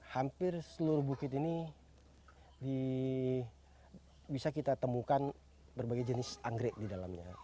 hampir seluruh bukit ini bisa kita temukan berbagai jenis anggrek di dalamnya